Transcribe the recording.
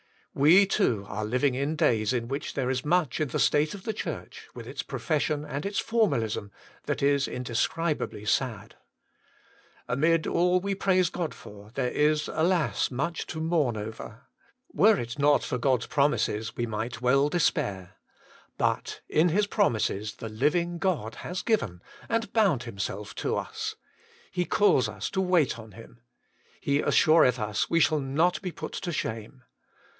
We, too, are living in days in which there is much in the state of the Church, with its profession and its formalism, that is indescribably sad. Amid till we praise God for, there is, alas, much to mourn over ! Were it not for God's promises we might well despair. But in His promises the Living God has given, and bound Himself to us. He calls us to wait on Him. He assureth us we shall not be put to shame.